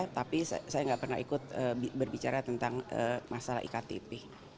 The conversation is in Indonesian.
tapi saya nggak pernah ikut berbicara tentang masalah iktp